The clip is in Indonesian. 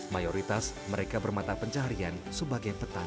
mayoritas mereka bermata pencaharian sebagai petani